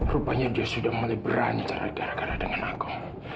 rupanya dia sudah mulai berancar gara gara dengan aku